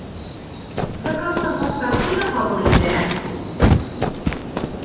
Заказной хаттар ҡайҙа ҡабул ителә?